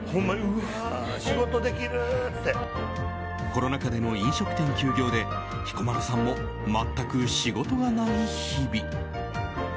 コロナ禍での飲食店休業で彦摩呂さんも全く仕事がない日々。